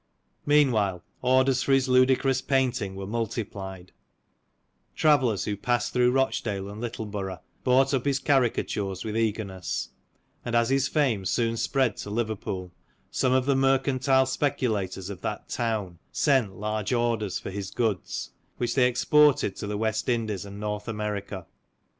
Meanwhile orders for his ludicrous painting were multiplied ; travellers who passed through Eochdale and Littleborough bought up his caricatures with eagerness ; and as his fame soon spread to Liverpool, some of the mercantile speculators of that town sent large orders for his goods, which they exported to the West Indies and North America.